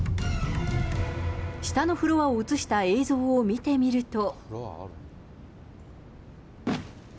下のフロアを写した映像を見てみると。